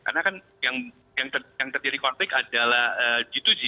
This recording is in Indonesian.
karena kan yang terjadi konflik adalah g dua g